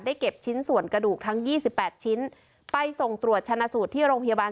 เก็บชิ้นส่วนกระดูกทั้ง๒๘ชิ้นไปส่งตรวจชนะสูตรที่โรงพยาบาล